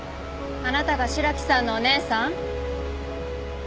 あなたが白木さんのお姉さん？